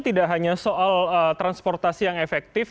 tidak hanya soal transportasi yang efektif